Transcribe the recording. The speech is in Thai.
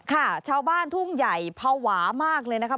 ค่ะชาวบ้านทุ่งใหญ่ภาวะมากเลยนะคะ